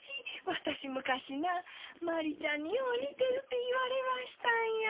私昔なぁ真理ちゃんによぅ似てるって言われましたんや。